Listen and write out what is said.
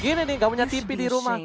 gini nih gak punya tv di rumah